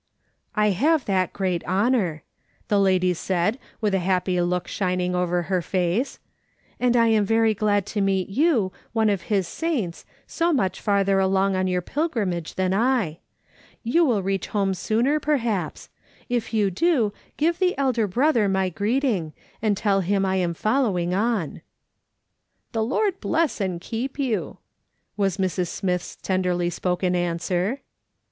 " I have that great honour," the lady said, with a happy look shining over her face ;" and I am very glad to meet you, one of his saints, so mucli farther along on your pilgrimage than I. You will reach home sooner, perhaps ; if you do, give the Elder 78 J\//!S. SOLOMON SMITH LOOKING ON. Brother my greeting, and tell him I am following on." " Tlio Lord blosr, and keep you," was Mrs. Smith's tenderly spoken answer.